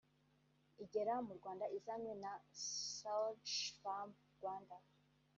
igera mu Rwanda izanywe na Surgipharm Rwanda